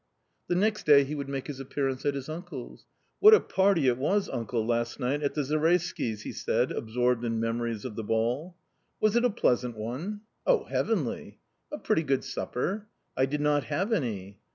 The next day he would make his appearance at his uncle's. " What a party it was, uncle, last night at the Zareysky's !" he said, absorbed in memories of the ball. " Was it a pleasant one ?"" Oh, heavenly." " A pretty good supper ?"" I did not have any."